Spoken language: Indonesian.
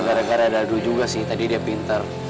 ya gara gara ada adu juga sih tadi dia pinter